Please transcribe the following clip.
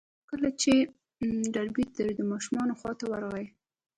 کله چې د ډاربي تره د ماشومې خواته ورغی.